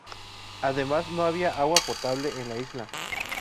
Además, no había agua potable en la isla.